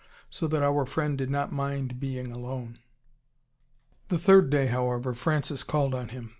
So that our friend did not mind being alone. The third day, however, Francis called on him.